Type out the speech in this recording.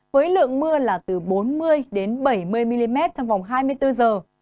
với lượng mưa là từ bốn mươi đến bảy mươi mm trong vòng hai mươi bốn giờ